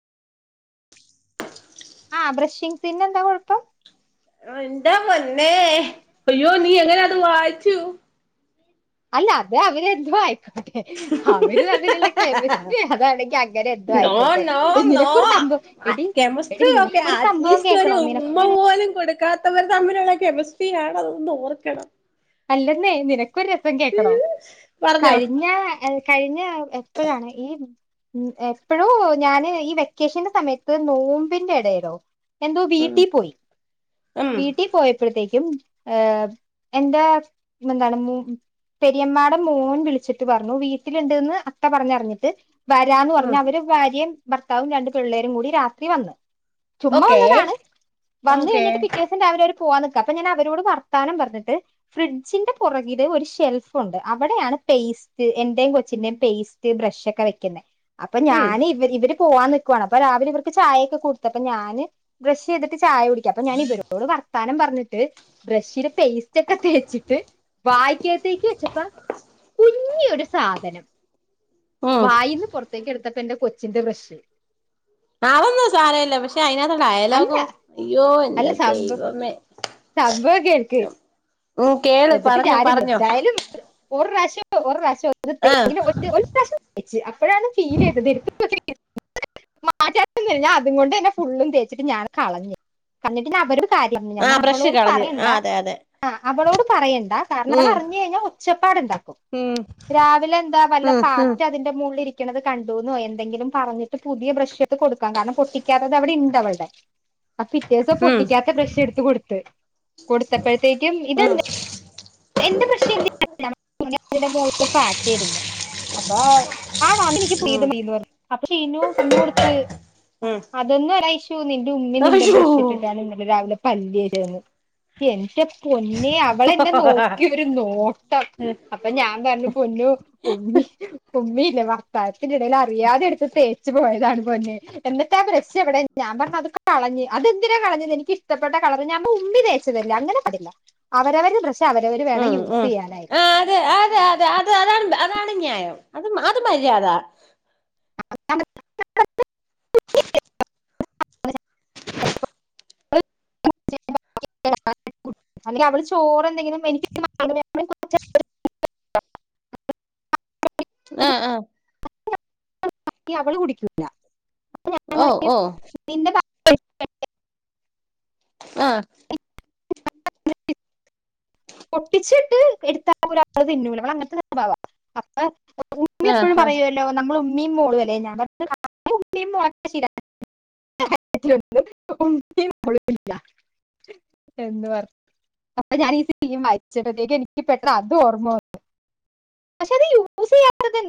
ആ ബ്രേഷിങ് പിൻ എന്താ കുഴപ്പം? ഓ എന്റെ പൊന്നേ അയ്യോ നീ എങ്ങനെ അത് വായിച്ചു അല്ല അത് അവല് എന്തുവായി അവര് അതിലുള്ള കെമിസ്ട്രി അത്ആണെങ്കി അങ്ങനെ എന്തോ നോ ആയിക്കോട്ടെ, നോ നോ നിനക്കൊരു സംഭവം എടി എടീ കെമിസ്ട്രി ഒക്കെ നിനക്കൊരു സംഭവം അറ്റ്ലീസ്റ്റ് ഒരു കേൾക്കണോ ഉമ്മ നിനക്കൊരു ട്രിയാണതെന്ന് ഓർക്കണം. ഇല്ലെന്നേ നിനക് ക്ക് ഒരു രസം കേക്കണോ പറഞ്ഞോ കഴിഞ്ഞ കഴിഞ്ഞ എപ്പോഴാണ് ഈ അപ്പോഴോ ഞാന് ഈ വെക്കേഷന്റെ സമയത്ത് നോമ്പിന്റെ ഇടയിലോ എന്തോ ഉം വീട്ടിപ്പോയി ഉം വീട്ടിപോയപ്പോഴത്തെക്കും ഏ എന്റെ എന്താണ് മു പെരിയമ്മാടെ മോൻ വിളിച്ചിട്ട് പറഞ്ഞു വീട്ടില്ണ്ട്ന്ന് അത്ത പറഞ്ഞു അറിഞ്ഞിട്ട് വരാന്ന് ഉം പറഞ്ഞു അവര് ഭാര്യേം ഭർത്താവും രണ്ട് പിള്ളേരുംകൂടി രാത്രി വന്നു ചുമ്മാ ഓക്കേ വന്നതാണ്. വന്നു ഓക്കേ കയിഞ്ഞുട്ട് പിറ്റേ ദിവസം രാവിലെ ഒരു പോവാൻ നിക്ക അപ്പൊ ഞാൻ അവരോട് വർത്താനം പറഞ്ഞിട്ട് ഫ്രിഡ്ജ് ന്റെ പുറകിലൊരു ഷെൽഫ് ഉണ്ട് അവിടെയാണ് പേസ്റ്റ് എന്റേം കൊച്ചിന്റേം പേസ്റ്റ് ബ്രഷ് ഒക്കെ വെക്കുന്നെ അപ്പൊ ഉം ഞാൻ ഇവര്ഇവര് പോവാൻ നിക് ക്കുവാന് അപ്പൊ രാവിലെ ഇവർക്ക് ചായഒക്കെ കൊടുത്തപ്പൊ ഞാന് ബ്രഷ് ചെയ്തിട്ടി ചായകുടിക്കാ അപ്പൊ ഞാൻ ഇവരോട് വർത്താനം പറഞ്ഞി ട്ട് ബ്രഷില് പേസ്റ്റ് ക്കെ തേച്ചിട്ട് വായിക്കകത്തേക്ക് വെച്ചപ്പോം കുഞ്ഞി ഒരു സാധനം ഉം വായിന്നു പുറത്തേക്കാക്കെടു ടുത്തപ്പോ എന്റെ കൊച്ചിന്റെ ബ്രഷ് അതൊന്നു സാരല്ല പക്ഷെ അയിനാകത്തുള്ള അല്ല ആയാലോകോ അയ്യോ എന്റെ അല്ല സംഭം ദൈവമേ സംഭവം കേൾക്ക് ഓ കേള് പറഞ്ഞോ പറഞ്ഞോ ഒരുപ്രാവിശ്യം ഒരുപ്രാവിശ്യം ആ ഇജ്ജ് ആ അപ്പോഴാണ് ഫീൽ ചെയ്തത് എടുത്ത് [unintelligible] ഞാൻ അതുംങേണ്ടെന്നെ ഫുള്ളും തേച്ചിട്ട് ഞാൻ അത് കളഞ്ഞ് കളഞ്ഞിട്ട് പിന്നെ അവരും സാരല്ല പിന്നെ ഞാൻ ആ പറഞ്ഞു ബ്രഷ് അവളോട് കളഞ്ഞ് ആ പറയണ്ട അതെ അതെ ആ അവളോടും എന്താ കാർന്നവൾ ഉം അറിഞ്ഞു കഴിഞ്ഞാ ഒച്ചപ്പാട് ഉണ്ടാക്കും ഉം രാവിലെ എന്താ വല്ല ഉം ഉം പാറ്റ അതിന്റെ മൂ ള്ളിലിരിക്കുന്നത് കണ്ടു ന്നോ എന്തെങ്കിലും പറഞ്ഞിട്ട് പുതിയ ബ്രഷ് എടുത്ത് കൊടുക്കാം കാരണം പൊട്ടിക്കാത്തത് അവിടെ ഉണ്ട് അവളുടെ ആ പിറ്റേ ദിവസം ഉം പൊട്ടിക്കാത്ത ബ്രഷ് എടുത്തു കൊടുത്തു കൊടുത്തപ്പയത്തേക്കും ഉം ഇതെന്തിനാ എന്റെ ബ്രഷ് എന്തേ [unintelligible] അയിന്റെ മോളില് പാറ്റ ഇരുന്ന് അപ്പൊ ഉം [unintelligible] അപ്പൊ ഫിനു പറഞ്ഞു കൊടുത്ത് ഉം അതെന്നെ ലൈഫ് ത്തു നിന്റെ ഉമ്മി നിന്റെ അയ്യോ ബ്രഷ് ഇട്ടിട്ടാണ് ഇന്നലെ രാവിലെ പല്ല് തോച്ചെന്ന് എന്റെ പൊന്നോ ഏ അവളെന്നെ നോക് ഒരു നോട്ടം അപ്പം ഞാൻ പറഞ്ഞു പൊന്നോ ഉമ്മി ഉമ്മിയില്ലേ വാർത്താനത്തിന്റെ ഇടയിൽ അറിയാതെ എടുത്തു തേച്ചു പോയതാണ് പൊന്നെ എന്നിട്ടാ ബ്രഷ് എവിടെ ഞാൻ പറഞ്ഞു അതു കളഞ്ഞ് അതെന്തിനാ കളഞ്ഞത് എനിക്കിഷ്ട്ടപ്പെട്ട കളർ ഞമ്മളെ ഉമ്മി തേച്ചതല്ലേ അങ്ങനെ പാടില്ല അവരവരുടെ ബ്രഷ് അവര് ഉം ഉം ആ അതെ അതെ ത് അത് അതാ അതാണു ന്യായം അതു മ അതും മര്യാദ [unintelligible] [unintelligible] അവള് ചോറെന്നേ [unintelligible] ആ ആ [unintelligible] അവളു കുടിയ്ക്കൂലാ ഓ ഓ [unintelligible] ആ പൊട്ടിച്ചിട്ട് എടുത്താ അവള് അത് തിന്നൂല അവളങ്ങനത്തെ സ്വഭാവാ അപ്പൊ ആ ഗ്രൂപ്പിലെപ്പഴും ആ പറയൂലോ നമ്മളും മ്മീം മോളും അല്ലെ ഞാൻ [unintelligible] എന്തുപറ അപ്പൊ ഞാൻ ഈ [unintelligible] എനിക്ക് പെട്ടന്ന് അതും ഓർമ്മ വന്ന് പക്ഷേ അത് യൂസ് ചെയ്യാത്തതെന്ത്